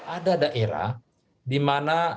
ada daerah di mana